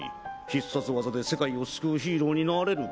必殺技で世界を救うヒーローになれるか？